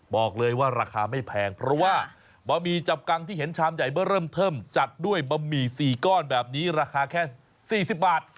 บอกเลยว่าราคาไม่แพงเพราะว่าบะหมี่จับกังที่เห็นชามใหญ่เมื่อเริ่มเทิมจัดด้วยบะหมี่๔ก้อนแบบนี้ราคาแค่๔๐บาท